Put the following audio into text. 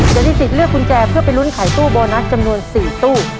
จะได้สิทธิ์เลือกกุญแจเพื่อไปลุ้นขายตู้โบนัสจำนวน๔ตู้